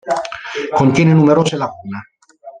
Contiene numerose lacune.